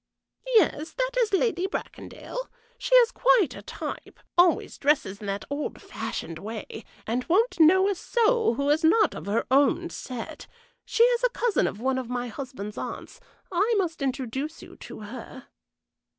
"Yes, that is Lady Bracondale. She is quite a type; always dresses in that old fashioned way, and won't know a soul who is not of her own set. She is a cousin of one of my husband's aunts. I must introduce you to her."